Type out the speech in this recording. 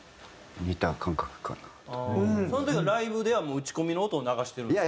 その時のライブでは打ち込みの音を流してるんですか？